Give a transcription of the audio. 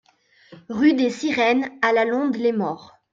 Rue des Sirenes à La Londe-les-Maures